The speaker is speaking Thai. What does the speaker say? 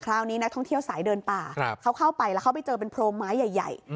คราวนี้นักท่องเที่ยวสายเดินป่าเขาเข้าไปแล้วเขาไปเจอเป็นโพรงไม้ใหญ่